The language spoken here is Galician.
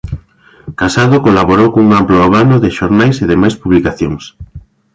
Casado colaborou cun amplo abano de xornais e demais publicacións.